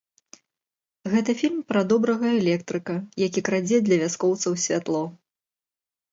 Гэта фільм пра добрага электрыка, які крадзе для вяскоўцаў святло.